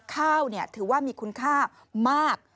ถือว่ามีคุณค่ามาก